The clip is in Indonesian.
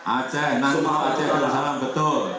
aceh nangkau aceh pulau salam betul